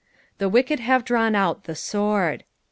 The Kicked nave drawn out the turord."